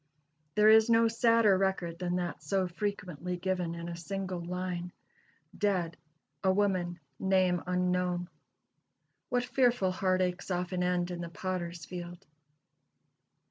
There is no sadder record than that so frequently given in a single line: "Dead a woman, name unknown." What fearful heart aches often end in the Potter's field!